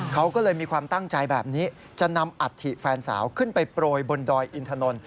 เขาก็เลยมีความตั้งใจแบบนี้จะนำอัฐิแฟนสาวขึ้นไปโปรยบนดอยอินถนน